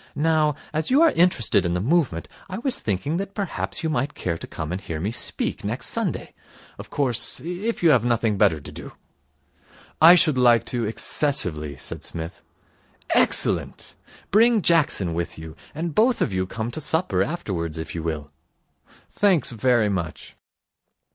Now, as you are interested in the movement, I was thinking that perhaps you might care to come and hear me speak next Sunday. Of course, if you have nothing better to do.' 'I should like to excessively,' said Psmith. 'Excellent. Bring Jackson with you, and both of you come to supper afterwards, if you will.' 'Thanks very much.'